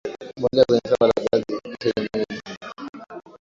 mbolea kwenye shamba la viazi lishe ni muhimu